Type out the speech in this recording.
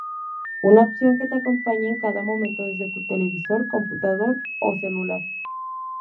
Una opción que te acompaña en cada momento desde tu televisor, computador o celular.